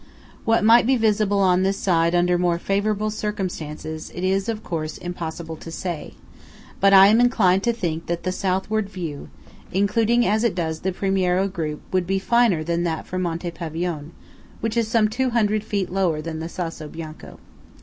What might be visible on this side under more favourable circumstances, it is, of course, impossible to say; but I am inclined to think the Southward view, including as it does the Primiero group, would be finer than that from Monte Pavione, which is some 200 feet lower than the Sasso Bianco.